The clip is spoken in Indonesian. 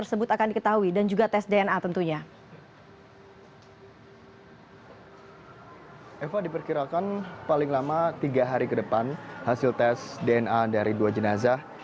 eva diperkirakan paling lama tiga hari ke depan hasil tes dna dari dua jenazah